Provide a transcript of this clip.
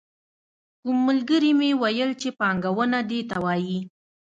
کوم ملګري مې ویل چې پانګونه دې ته وايي.